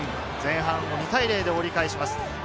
前半２対０で折り返します。